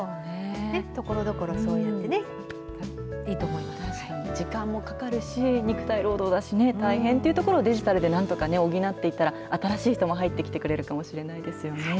ところどころそうやってね、時間もかかるし、肉体労働だしね、大変というところ、デジタルでなんとかね、補っていったら、新しい人も入ってきてくれるかもしれないですよね。